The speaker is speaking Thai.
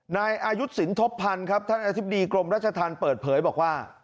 นายอายุศิลป์ภัณฑ์ครับท่านอธิบดีกรมราชธรรมน์เปิดเผยว่า